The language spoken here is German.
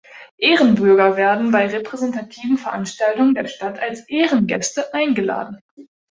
Ehrenbürger werden bei repräsentativen Veranstaltungen der Stadt als Ehrengäste eingeladen.